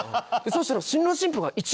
そしたら新郎新婦がえっ？